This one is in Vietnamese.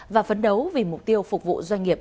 và phấn đấu vì mục tiêu phục vụ doanh nghiệp